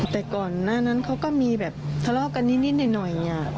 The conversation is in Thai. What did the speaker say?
แต่ก่อนหน้านั้นเขาก็มีแบบทะเลาะกันนิดหน่อย